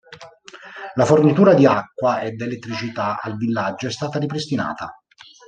La fornitura di acqua ed elettricità al villaggio è stata ripristinata.